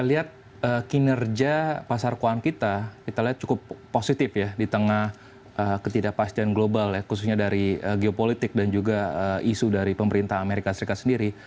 kita lihat kinerja pasar keuangan kita kita lihat cukup positif ya di tengah ketidakpastian global ya khususnya dari geopolitik dan juga isu dari pemerintah amerika serikat sendiri